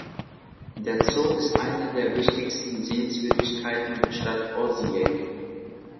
Der Zoo ist eine der wichtigsten Sehenswürdigkeiten der Stadt Osijek.